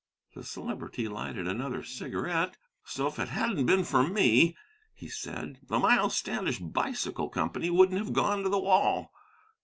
The Celebrity lighted another cigarette. "So if it hadn't been for me," he said, "the 'Miles Standish Bicycle Company' wouldn't have gone to the wall.